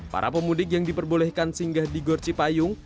para pemudik yang diperbolehkan singgah di gor cipayung